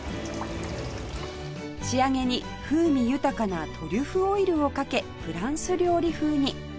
仕上げに風味豊かなトリュフオイルをかけフランス料理風に